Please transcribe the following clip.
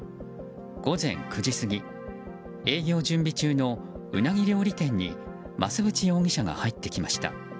午前９時過ぎ営業準備中のウナギ料理店に増渕容疑者が入ってきました。